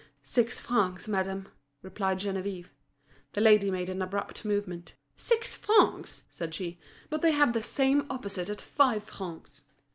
"Six francs, madame," replied Geneviève. The lady made an abrupt movement. "Six francs!" said she. "But they have the same opposite at five francs."